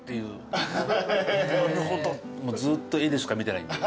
ずっと絵でしか見てないんで。